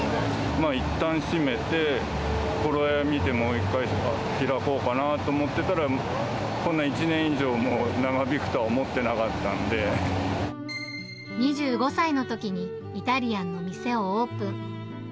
まあ、いったん閉めて、頃合いを見てもう一回開こうかなと思ってたら、こんな１年以上も長引くと２５歳のときに、イタリアンの店をオープン。